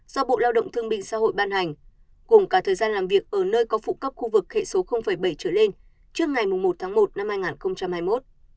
do bộ lao động thương minh xã hội ban hành cùng cả thời gian làm việc ở nơi có phụ cấp khu vực hệ số bảy trở lên trước ngày một tháng một năm hai nghìn hai mươi một